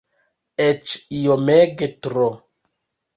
Eĉ iomege tro.